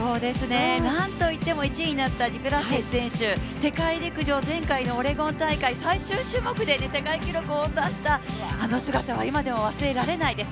なんといっても１位になったデュプランティス選手、世界陸上、前回のオレゴン大会最終種目で世界記録を出したあの姿は今でも忘れられないです。